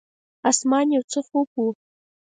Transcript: اسمان یو څه خوپ و.